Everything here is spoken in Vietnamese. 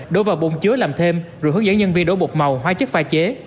đổ vào bún chứa làm thêm rồi hướng dẫn nhân viên đổ bột màu hóa chất pha chế